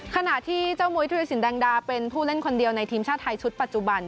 ขณะที่เจ้ามุยธิรสินแดงดาเป็นผู้เล่นคนเดียวในทีมชาติไทยชุดปัจจุบัน